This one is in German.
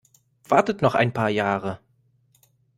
Wartet noch ein paar Jahre!